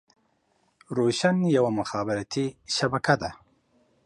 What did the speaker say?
روشن يوه مخابراتي شبکه ده.